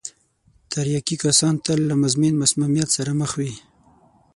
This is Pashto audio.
تریاکي کسان تل له مزمن مسمومیت سره مخ وي.